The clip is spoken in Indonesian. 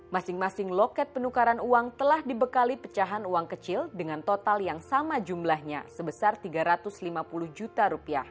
masing masing loket penukaran uang telah dibekali pecahan uang kecil dengan total yang sama jumlahnya sebesar rp tiga ratus lima puluh juta